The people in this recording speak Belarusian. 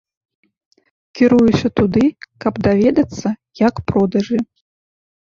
Кіруюся туды, каб даведацца, як продажы.